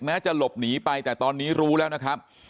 จะหลบหนีไปแต่ตอนนี้รู้แล้วนะครับ